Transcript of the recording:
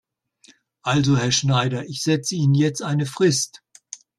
Also Herr Schneider, ich setze Ihnen jetzt eine Frist.